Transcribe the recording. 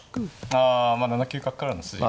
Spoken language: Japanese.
あまあ７九角からの筋が。